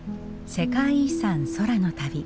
世界遺産空の旅。